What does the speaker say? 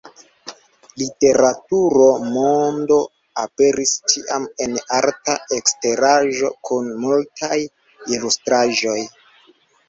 Literatura Mondo aperis ĉiam en arta eksteraĵo kun multaj ilustraĵoj.